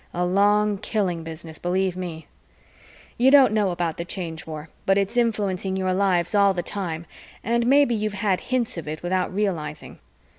A long killing business, believe me. You don't know about the Change War, but it's influencing your lives all the time and maybe you've had hints of it without realizing.